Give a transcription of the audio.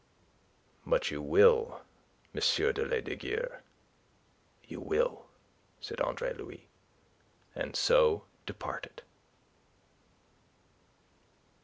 "But you will, M. de Lesdiguieres. You will," said Andre Louis, and so departed.